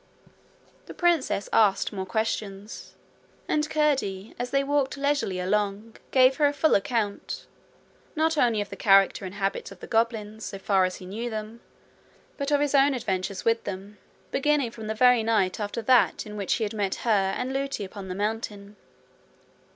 The princess asked more questions, and Curdie, as they walked leisurely along, gave her a full account, not only of the character and habits of the goblins, so far as he knew them, but of his own adventures with them, beginning from the very night after that in which he had met her and Lootie upon the mountain.